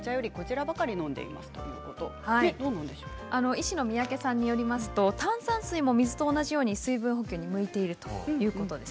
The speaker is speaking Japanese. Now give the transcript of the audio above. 医師の三宅さんによりますと、炭酸水も水と同じように水分補給に向いているということです。